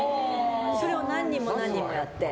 それを何人も何人もやって。